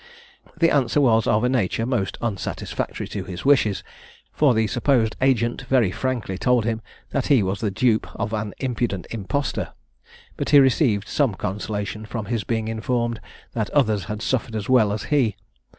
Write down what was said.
The answer was of a nature most unsatisfactory to his wishes; for the supposed agent very frankly told him, that he was the dupe of an impudent impostor; but he received some consolation from his being informed that others had suffered as well as he.